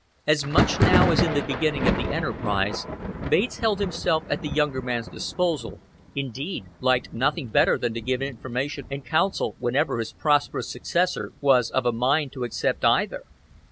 As much now as in the beginning of the enterprise Bates held himself at the younger man's disposal, indeed liked nothing better than to give information and counsel whenever his prosperous successor was of a mind to accept either.